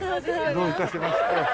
どういたしまして。